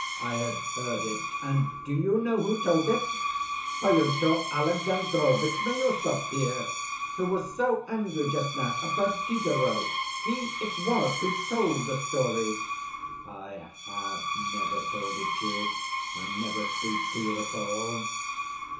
I had heard it, and do you know who told it? Pyotr Alexandrovitch Miüsov here, who was so angry just now about Diderot. He it was who told the story." "I have never told it you, I never speak to you at all."